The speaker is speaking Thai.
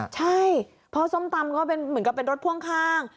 ใช่เพราะส้มตำก็เป็นเหมือนกับเป็นรถพ่วงข้าง